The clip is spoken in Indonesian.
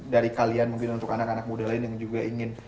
dari kalian mungkin untuk anak anak muda lain yang juga ingin